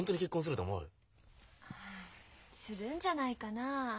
ああするんじゃないかな。